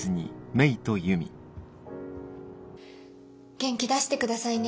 元気出してくださいね。